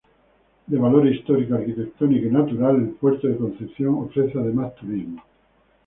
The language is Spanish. De valor histórico, arquitectónico y natural, el Puerto de Concepción ofrece además turismo.